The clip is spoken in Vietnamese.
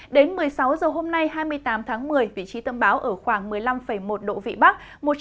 đến một mươi sáu h hôm nay hai mươi tám tháng một mươi vị trí tâm báo ở khoảng một mươi năm một độ vị bắc